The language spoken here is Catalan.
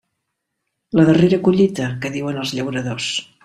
La «darrera collita» que diuen els llauradors.